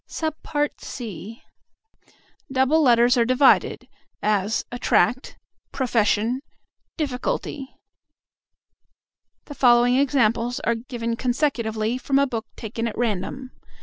(c) Double letters are divided; as "at tract," "profes sion," "dif ficulty." The following examples are given consecutively from a book taken at random.